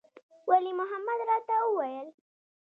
ولي محمد راته وويل.